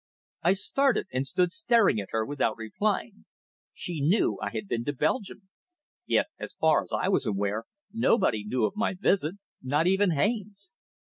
I started, and stood staring at her without replying. She knew I had been to Belgium. Yet, as far as I was aware, nobody knew of my visit not even Haines.